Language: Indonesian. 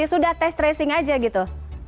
sudah test tracing saja gitu